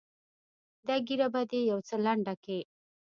دا ږيره به دې يو څه لنډه کې.